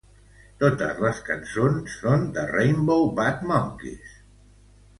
Totes les cançons són de Rainbow Butt Monkeys.